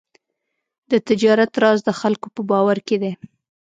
د تجارت راز د خلکو په باور کې دی.